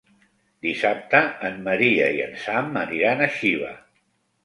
Dissabte en Maria i en Sam aniran a Xiva.